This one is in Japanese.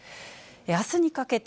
あすにかけて、